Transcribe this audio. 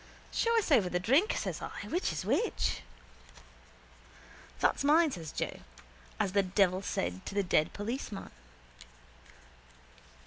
—Show us over the drink, says I. Which is which? —That's mine, says Joe, as the devil said to the dead policeman.